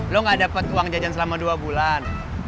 lo gak dapat uang jajan selama dua bulan